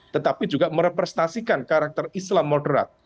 tetapi juga merepresentasikan karakter islam moderat